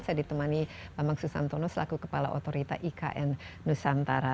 saya ditemani pak mang susantono selaku kepala otorita ikn nusantara